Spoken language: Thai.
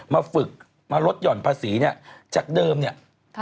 มาฝึกมาลดหย่อนภาษีเนี่ยจากเดิมเนี่ย